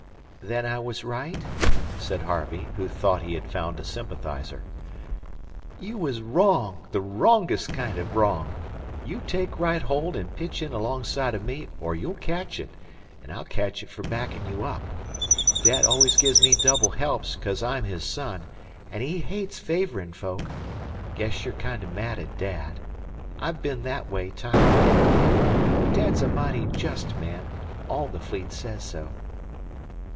"Then I was right?" said Harvey, who thought he had found a sympathiser. "You was wrong; the wrongest kind o' wrong! You take right hold an' pitch in 'longside o' me, or you'll catch it, an' I'll catch it fer backin' you up. Dad always gives me double helps 'cause I'm his son, an' he hates favourin' folk. 'Guess you're kinder mad at dad. I've been that way time an' again. But dad's a mighty jest man; all the fleet says so."